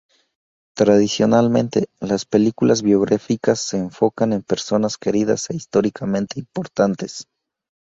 Tradicionalmente, las películas biográficas se enfocan en personas queridas e históricamente importantes.